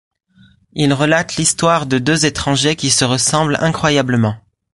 Il relate l'histoire de deux étrangers qui se ressemblent incroyablement.